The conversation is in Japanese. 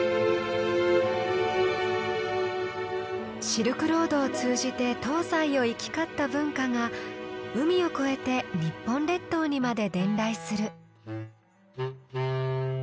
シルクロードを通じて東西を行き交った文化が海を越えて日本列島にまで伝来する。